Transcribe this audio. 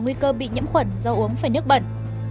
nguy cơ bị nhiễm khuẩn do uống phải nước bẩn